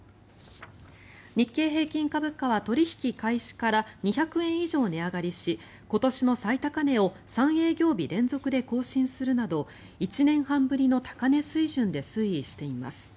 日経平均株価は取引開始から２００円以上値上がりし今年の最高値を３営業日連続で更新するなど１年半ぶりの高値水準で推移しています。